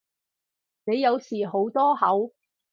你有時好多口